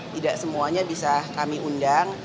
tidak semuanya bisa kami undang